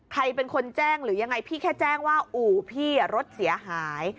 ใครเป็นคนแจ้งหรือยังไงพี่แค่แจ้งว่าอู่พี่รถเสียหาย